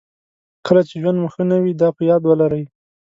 کله چې ژوند مو ښه نه وي دا په یاد ولرئ.